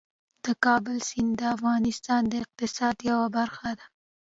د کابل سیند د افغانستان د اقتصاد یوه برخه ده.